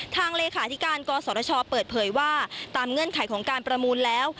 เลขาธิการกศชเปิดเผยว่าตามเงื่อนไขของการประมูลแล้ว